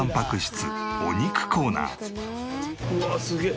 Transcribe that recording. うわっすげえ。